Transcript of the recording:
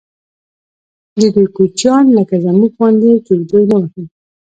ددوی کوچیان لکه زموږ غوندې کېږدۍ نه وهي.